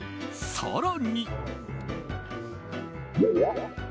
更に。